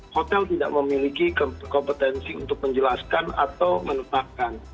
hotel tidak memiliki kompetensi untuk menjelaskan atau menetapkan